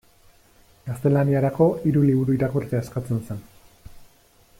Gaztelaniarako hiru liburu irakurtzea eskatzen zen.